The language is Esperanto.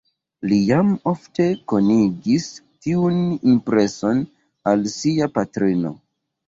Li jam ofte konigis tiun impreson al sia patrino.